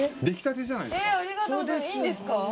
出来たてじゃないですか。